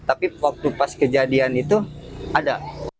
tapi waktu pas kejadian itu ada